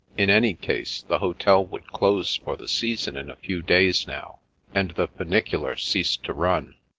In any case, the hotel would close for the season in a few days now, and the funicular cease to run.